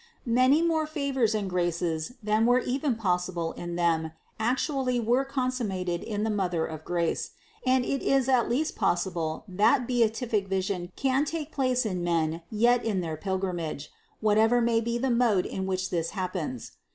Many more favors and graces than were even possible in them actually were consummat ed in the Mother of grace, and it is at least possible that beatific vision can take place in men yet in their pilgrim age, whatever may be the mode in which this happens.